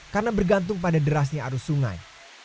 karena bergantung pada derasnya arus sungai